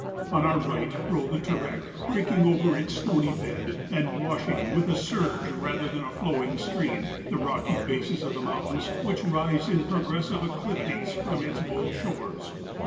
On our right rolled the Terek, breaking over its stony bed, and washing with a surge, rather than a flowing stream, the rocky bases of the moun¬ tains wdnch rise in progressive acclivities from its bold shores.